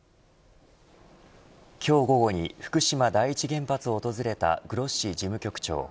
今日午後に福島第一原発を訪れたグロッシ事務局長。